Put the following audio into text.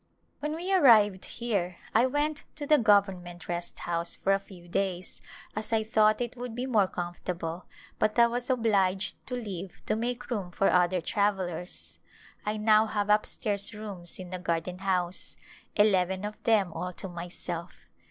When we arrived here I went to the Government Rest House for a ^ew days as I thought it would be more comfortable but I was obliged to leave to make room for other travellers. I now have up stairs rooms in the garden house — eleven of them all to my self.